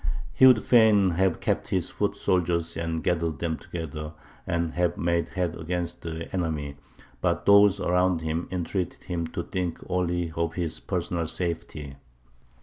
"He would fain have kept his foot soldiers and gathered them together, and have made head against the enemy; but those around him entreated him to think only of his personal safety.